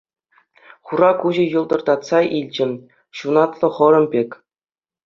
Хура куҫӗ йӑлтӑртатса илчӗ — ҫунатлӑ хӑрӑм пек.